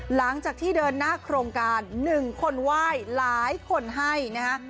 หลังจากที่เดินหน้าโครงการ๑คนไหว้หลายคนให้นะฮะ